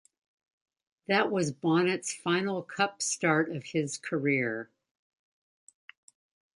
That was Bonnett's final cup start of his career.